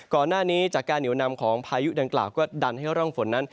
ก่อนหน้านี้จากการเหนียวนำของพายุดังกล่าวก็ดันให้ร่องฝนนั้น